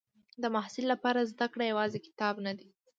د محصل لپاره زده کړه یوازې کتاب نه ده.